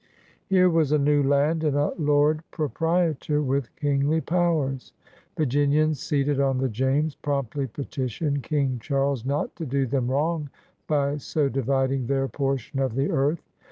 Here was a new land and a Lord Proprietor with kingly powers. Virginians seated on the James promptly petitioned King Charles not to do them wrong by so dividing their portion of the earth.